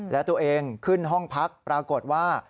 และตัวเองขึ้นห้องพักปรากฏว่า